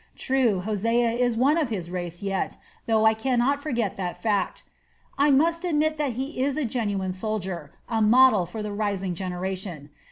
True, Hosea is one of his race yet, though I cannot forget that fact, I must admit that he is a genuine soldier, a model for the rising generation.